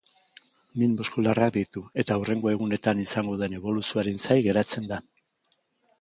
Min muskularrak ditu, eta hurrengo egunetan izango duen eboluzioaren zain geratzen da.